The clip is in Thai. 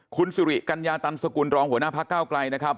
คุณสิริกัญญาตันสกุลรองหัวหน้าพักเก้าไกลนะครับ